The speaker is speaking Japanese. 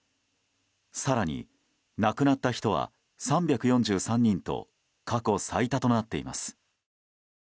更に亡くなった人は３４３人と過去最多となっています。